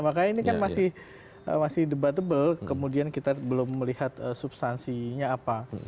makanya ini kan masih debatable kemudian kita belum melihat substansinya apa